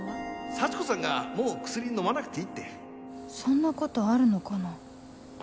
幸子さんがもう薬飲まなくていいってそんなことあるのかな？